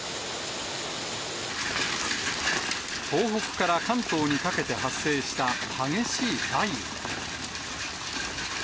東北から関東にかけて発生した激しい雷雨。